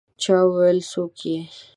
چا وویل: «څوک يې؟»